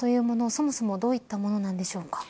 そもそもどういったものなんでしょうか。